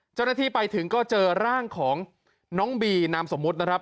เจ้าหน้าที่ไปถึงก็เจอร่างของน้องบีนามสมมุตินะครับ